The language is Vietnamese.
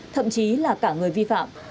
thậm chí là cả người vi phạm